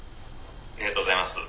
「ありがとうございます。